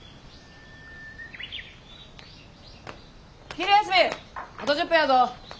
昼休みあと１０分やぞ。